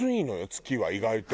月は意外と。